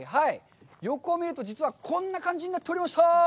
よく見ると、実はこんな感じになっておりました。